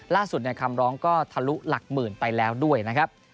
คำร้องก็ทะลุหลักหมื่นไปแล้วด้วยนะครับ